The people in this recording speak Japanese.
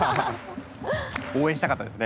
応援したかったですね。